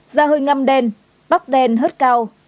da hơi ngăm đen bóc đen hớt cao